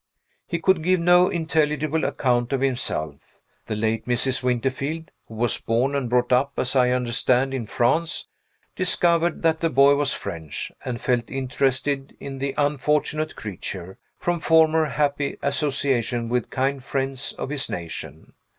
He could give no intelligible account of himself. The late Mrs. Winterfield (who was born and brought up, as I understand, in France) discovered that the boy was French, and felt interested in the unfortunate creature, from former happy association with kind friends of his nation.